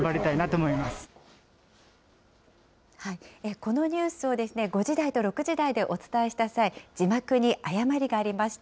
このニュースを５時台と６時台でお伝えした際、字幕に誤りがありました。